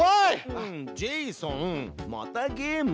うんジェイソンまたゲーム？